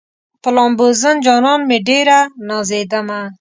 په لامبوزن جانان مې ډېره نازېدمه